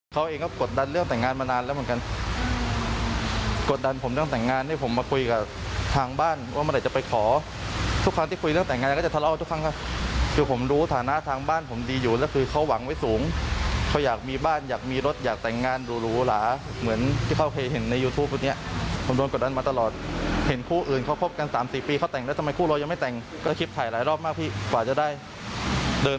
เขาเองก็กดดันเรื่องแต่งงานมานานแล้วเหมือนกันกดดันผมเรื่องแต่งงานให้ผมมาคุยกับทางบ้านว่าเมื่อไหร่จะไปขอทุกครั้งที่คุยเรื่องแต่งงานก็จะทะเลาทุกครั้งค่ะคือผมดูฐานะทางบ้านผมดีอยู่แล้วคือเขาหวังไว้สูงเขาอยากมีบ้านอยากมีรถอยากแต่งงานหรูหรูหราเหมือนที่เขาเคยเห็นในยูทูปตัวเนี่ยผมโดนกดดันมาตลอด